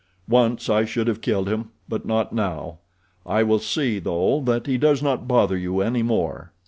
Once I should have killed him; but not now. I will see, though, that he does not bother you any more."